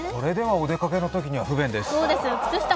ああ、これではお出かけのときには不便です。